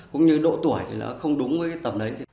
cũng như độ tuổi thì nó không đúng với tầm đấy